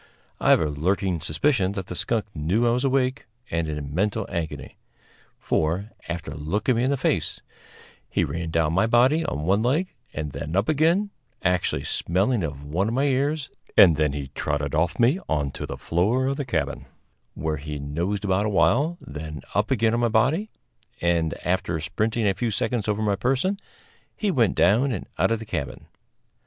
I have a lurking suspicion that that skunk knew I was awake and in mental agony; for, after looking me in the face, he ran down my body on one leg and then up again, actually smelling of one of my ears; and then he trotted off me on to the floor of the cabin, where he nosed about awhile, then up again on my body; and, after sprinting a few seconds over my person, he went down and out of the cabin.